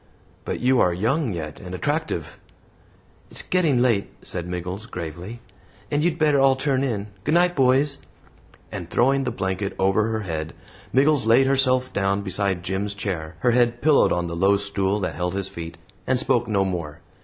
"But you are young yet and attractive " "It's getting late," said Miggles, gravely, "and you'd better all turn in. Good night, boys"; and, throwing the blanket over her head, Miggles laid herself down beside Jim's chair, her head pillowed on the low stool that held his feet, and spoke no more.